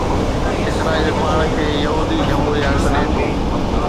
اسرائيل پاڻ کي يهودي جمهوريه سڏي ٿو